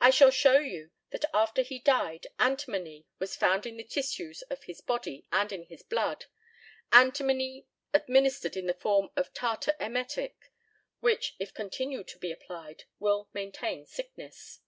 I shall show you that after he died antimony was found in the tissues of his body and in his blood antimony administered in the form of tartar emetic, which, if continued to be applied, will maintain sickness.